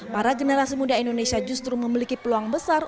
para generasi muda indonesia justru memiliki peluang besar